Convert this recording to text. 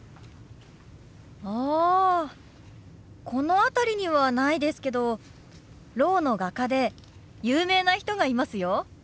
あこの辺りにはないですけどろうの画家で有名な人がいますよ。